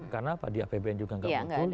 karena di abbn juga gak beruntung